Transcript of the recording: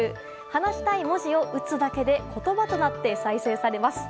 話したい文字を打つだけで言葉となって再生されます。